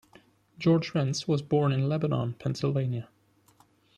George Rentz was born in Lebanon, Pennsylvania.